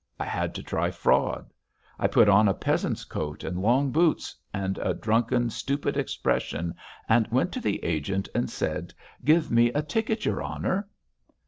I had to try fraud. I put on a peasant's coat and long boots, and a drunken, stupid expression and went to the agent and said: 'Give me a ticket, your Honour.'